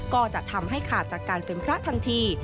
ก็จะทำให้ขาดจากการเป็นพระทันที